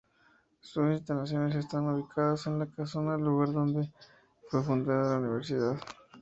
Sus instalaciones están ubicadas en La Casona, lugar donde fue fundada la universidad.